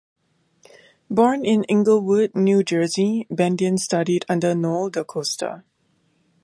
Born in Englewood, New Jersey, Bendian studied under Noel DaCosta.